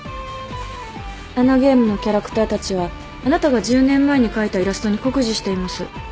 あのゲームのキャラクターたちはあなたが１０年前に描いたイラストに酷似しています。